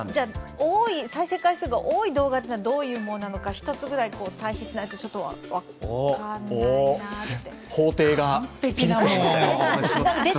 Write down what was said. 再生回数が多い動画というのはどういうものなのか一つぐらい対比しないとちょっと分かんないなって。